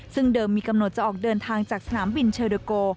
ซึ่งเดิมมีกำหนดจะออกเดินทางจากสนามบินเชอเดอร์โก